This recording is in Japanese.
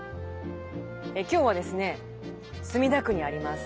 今日はですね墨田区にあります